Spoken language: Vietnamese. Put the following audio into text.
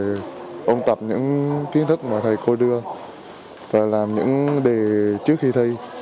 thì ôn tập những kiến thức mà thầy cô đưa và làm những đề trước khi thi